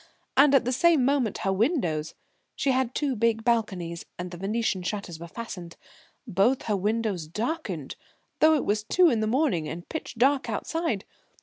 And at the same moment her windows she had two big balconies, and the venetian shutters were fastened both her windows darkened though it was two in the morning and pitch dark outside.